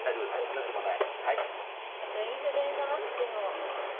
熱もない。